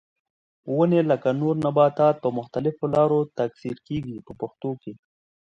ونې لکه نور نباتات په مختلفو لارو تکثیر کېږي په پښتو کې.